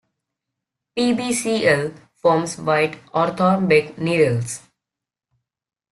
PbCl forms white orthorhombic needles.